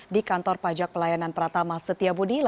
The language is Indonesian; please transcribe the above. di kantor pajak pelayanan pratama setia budi